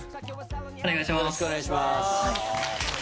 お願いします